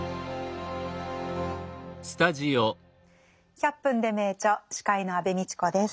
「１００分ｄｅ名著」司会の安部みちこです。